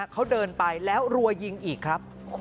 เขาเดินไปแล้วรัวยิงอีกครับ